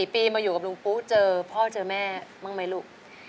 ๔ปีมาอยู่กับลุงปุ๊เจอพ่อเจอแม่บ้างไหมลูก